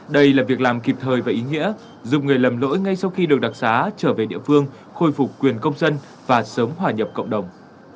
đây là việc làm kịp thời và ý nghĩa giúp người lầm lỗi ngay sau khi được đặc xá trở về địa phương khôi phục quyền công dân và sớm hòa nhập cộng đồng